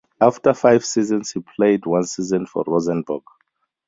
After five seasons he played one season for Rosenborg.